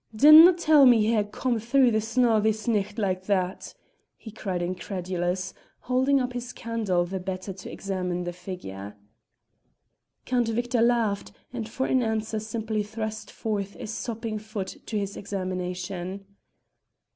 "Dinna tell me ye hae come through the snaw this nicht like that!" he cried incredulous, holding up his candle the better to examine the figure. Count Victor laughed, and for an answer simply thrust forth a sopping foot to his examination.